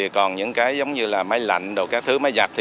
còn những cái giống như máy lạnh máy giặt